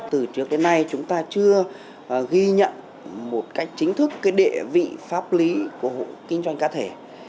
từ trước đến nay chúng ta chưa ghi nhận một cách chính thức cái địa vị pháp lý của hộ kinh doanh cá thể